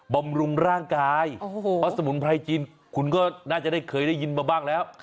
บำรุงร่างกายเพราะสมุนไพรจีนคุณก็น่าจะได้เคยได้ยินมาบ้างแล้ว